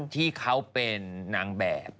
ที่เขาเป็นนางแบบ